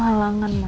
calon yang terdengar